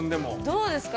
どうですか？